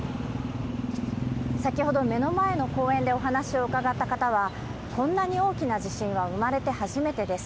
先ほど、目の前の公園でお話を伺った方は、こんなに大きな地震は生まれて初めてです。